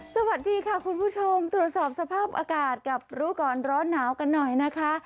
สวัสดีค่ะคุณผู้ชมตรวจสอบสภาพอากาศกับรู้ก่อนร้อนหนาวกันหน่อยนะคะ